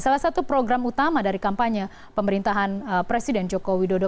salah satu program utama dari kampanye pemerintahan presiden joko widodo